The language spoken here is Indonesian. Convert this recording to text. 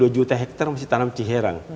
dua dua juta hektare masih tanam ciherang